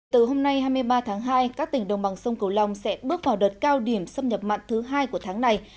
từ hôm nay hai mươi ba tháng hai các tỉnh đồng bằng sông cửu long sẽ bước vào đợt cao điểm xâm nhập mặn thứ hai của tháng này